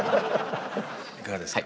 いかがですか？